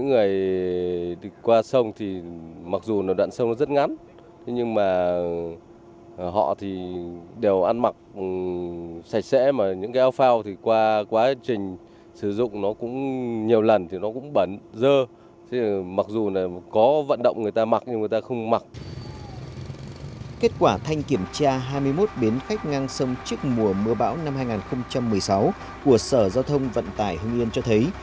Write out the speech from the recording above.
kết quả thanh kiểm tra hai mươi một bến khách ngang sông trước mùa mưa bão năm hai nghìn một mươi sáu của sở giao thông vận tải hương yên cho thấy